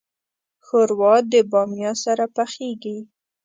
ښوروا د بامیا سره پخیږي.